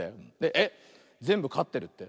えっぜんぶかってるって？